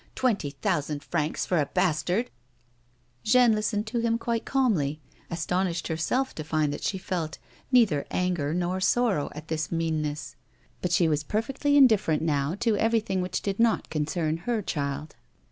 Twenty thousand francs for a bastard !" Jeanne listened to him quite calmly, astonished herself to find that she felt neither anger nor sorrow at his mean ness, but she was perfectly indifferent now to everything which did not concern her child.